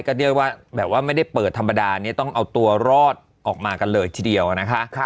ก็เรียกว่าแบบว่าไม่ได้เปิดธรรมดาเนี่ยต้องเอาตัวรอดออกมากันเลยทีเดียวนะคะ